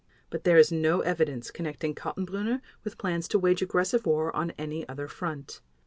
But there is no evidence connecting Kaltenbrunner with plans to wage aggressive war on any other front.